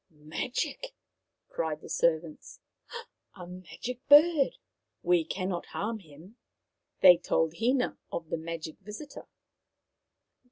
" Magic !" cried the servants. " A magic bird I We cannot harm him." They told Hina of the magic visitor.